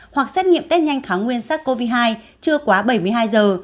hoặc xét nghiệm test nhanh kháng nguyên sars cov hai trưa quá bảy mươi hai giờ